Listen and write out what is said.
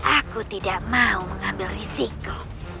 aku tidak mau mengambil risiko